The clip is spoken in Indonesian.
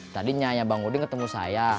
tadi nyaya bang uding ketemu saya